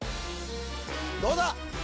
どうだ？